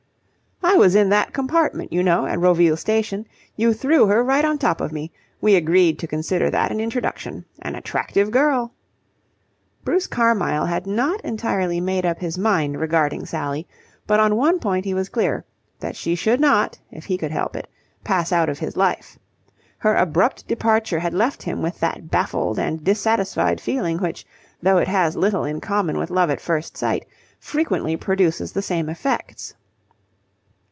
"I was in that compartment, you know, at Roville Station. You threw her right on top of me. We agreed to consider that an introduction. An attractive girl." Bruce Carmyle had not entirely made up his mind regarding Sally, but on one point he was clear, that she should not, if he could help it, pass out of his life. Her abrupt departure had left him with that baffled and dissatisfied feeling which, though it has little in common with love at first sight, frequently produces the same effects.